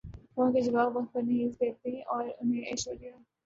phone کا جواب وقت پر نہیں دیتیں اور انہیں ایشوریا